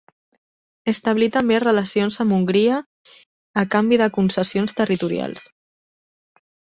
Establí també relacions amb Hongria a canvi de concessions territorials.